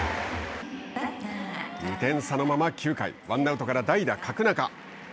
２点差のまま９回ワンアウトから代打角中。